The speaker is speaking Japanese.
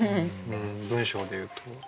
文章でいうと。